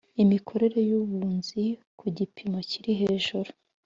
imikorere y abunzi ku gipimo kiri hejuru